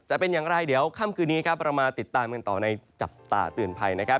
จะเป็นอย่างไรเดี๋ยวค่ำคืนนี้ครับเรามาติดตามกันต่อในจับตาเตือนภัยนะครับ